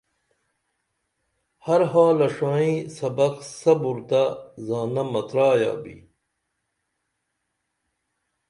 ہر حالہ ݜائیں سبخ صبرتہ زانہ مترایا بھی